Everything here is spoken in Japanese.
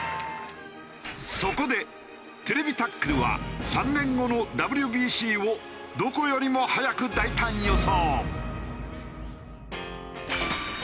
そこで『ＴＶタックル』は３年後のＷＢＣをどこよりも早く大胆予想！